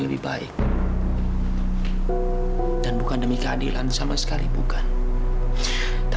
sampai jumpa di video selanjutnya